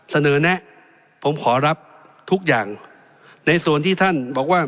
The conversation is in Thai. แนะผมขอรับทุกอย่างในส่วนที่ท่านบอกว่า